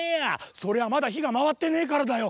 「そりゃまだひがまわってねえからだよ。